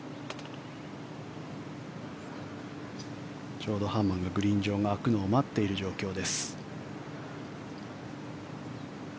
ちょうどハーマンがグリーン上が空くのを待っている状況です。